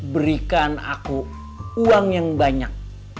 berikan aku uang yang banyak